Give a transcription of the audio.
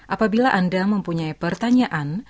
apabila anda mempunyai pertanyaan